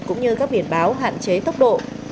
cũng như các biển báo hạn chế tốc độ